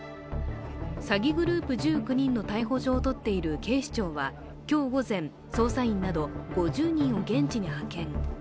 詐欺グループ１９人の逮捕状を取っている警視庁は今日午前、捜査員など５０人を現地に派遣。